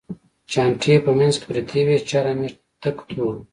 چانټې یې په منځ کې پرتې وې، چرم یې تک تور و.